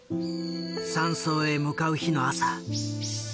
山荘へ向かう日の朝。